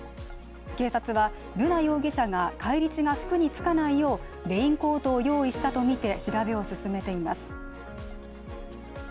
警察は瑠奈容疑者が返り血が服に付かないようレインコートを用意したとみて調べを進めています。